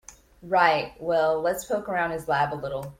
Right, well let's poke around his lab a little.